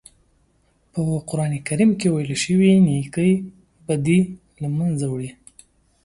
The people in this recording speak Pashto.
په قرآن کریم کې ویل شوي نېکۍ بدۍ له منځه وړي.